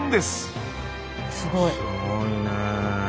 すごいね。